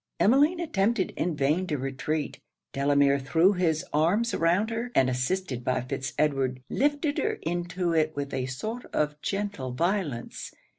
Emmeline attempted in vain to retreat. Delamere threw his arms around her; and assisted by Fitz Edward, lifted her into it with a sort of gentle violence.